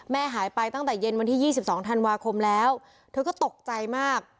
หายไปตั้งแต่เย็นวันที่๒๒ธันวาคมแล้วเธอก็ตกใจมาก